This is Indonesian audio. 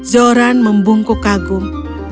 zoran membungku kagum